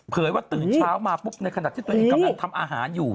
เผยว่าตื่นเช้ามาในขณะที่ตัวเองทำอาหารอยู่